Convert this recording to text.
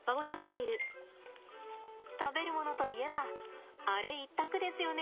食べるものといえばアレ一択ですよね。